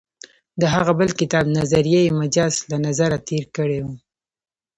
د هغه بل کتاب «نظریه مجاز» له نظره تېر کړی و.